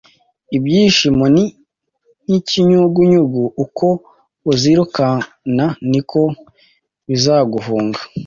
Ibyishimo ni nk'ikinyugunyugu; uko uzirukankana, niko bizaguhunga,